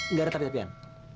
nggak ada tapi tapian